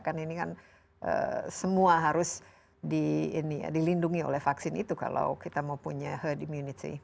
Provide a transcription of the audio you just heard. kan ini kan semua harus dilindungi oleh vaksin itu kalau kita mau punya herd immunity